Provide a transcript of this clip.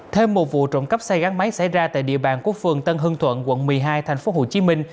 thêm một vụ trộm cắp xe gắn máy xảy ra tại địa bàn quốc phường tân hưng thuận quận một mươi hai tp hcm